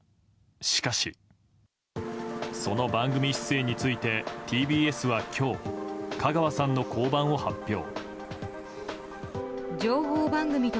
しかし、その番組出演についてＴＢＳは今日香川さんの降板を発表。